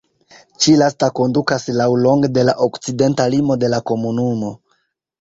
Ĉi-lasta kondukas laŭlonge de la okcidenta limo de la komunumo.